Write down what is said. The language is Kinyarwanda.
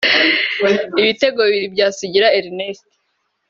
Ibitego bibiri bya Sugira Ernest